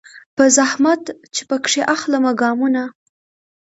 په زحمت چي پکښي اخلمه ګامونه